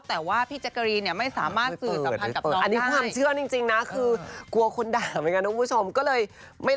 แต่ว่าพี่แจ๊คกะรีนไม่สามารถสื่อสัมพันธ์กับน้องได้